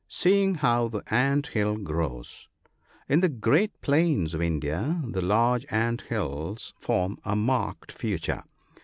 Seeing how the ant hill grows. — In the great plains of India the large ant hills form a marked feature.